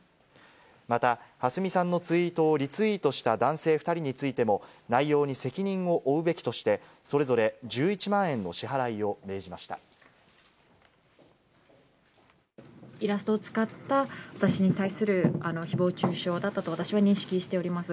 また、はすみさんのツイートをリツイートした男性２人についても、内容に責任を負うべきとして、それぞれ１１万円の支払いを命じイラストを使った、私に対するひぼう中傷だったと私は認識しております。